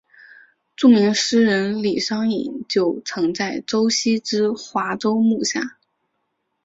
著名诗人李商隐就曾在周墀之华州幕下。